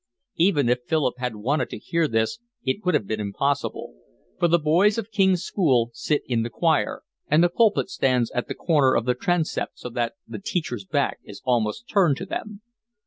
Even if Philip had wanted to hear this it would have been impossible, for the boys of King's School sit in the choir, and the pulpit stands at the corner of the transept so that the preacher's back is almost turned to them.